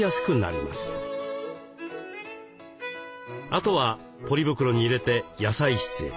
あとはポリ袋に入れて野菜室へ。